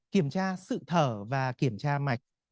kiểm tra sự thở và kiểm tra mạch